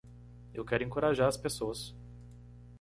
Eu quero encorajar as pessoas